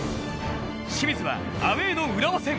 清水はアウェーの浦和戦。